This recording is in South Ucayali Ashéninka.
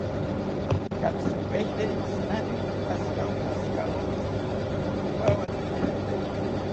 Katzinkaeteri tsinani opashikantawo pashikawontzi ojawatanchari